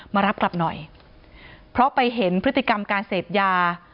มารับกลับหน่อยเพราะไปเห็นพฤติกรรมการเสพยา